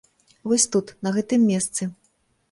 Вось тут, на гэтым месцы.